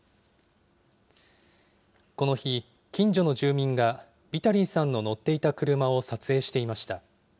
この日、近所の住民がビタリーさんの乗っていた車を撮影していました。